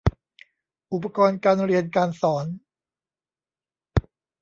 อุปกรณ์การเรียนการสอน